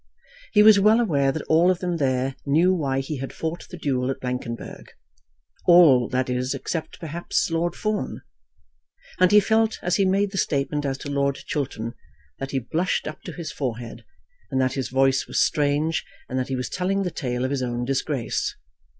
He was well aware that all of them there knew why he had fought the duel at Blankenberg; all, that is, except perhaps Lord Fawn. And he felt as he made the statement as to Lord Chiltern that he blushed up to his forehead, and that his voice was strange, and that he was telling the tale of his own disgrace.